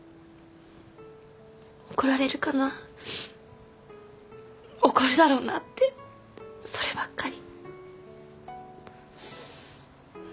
怒られるかな怒るだろうなってそればっかり。